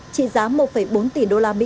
trị giá một bốn tỷ usd